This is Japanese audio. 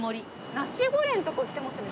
ナシゴレンとか売ってますね。